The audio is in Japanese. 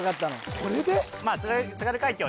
これで？